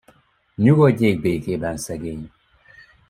Nyugodjék békében szegény!